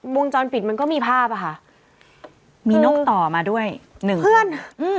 วงจรปิดมันก็มีภาพอ่ะค่ะมีนกต่อมาด้วยหนึ่งเพื่อนอืม